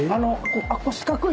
四角い。